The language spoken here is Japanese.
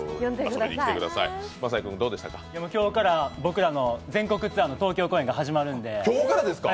今日から僕らの全国ツアーの東京公演が始まるので。